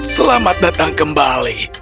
selamat datang kembali